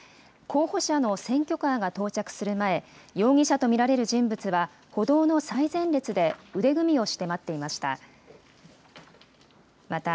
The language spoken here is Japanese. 候補者の選挙カーが到着する前、容疑者と見られる人物は、歩道の最前列で腕組みをして待っていました。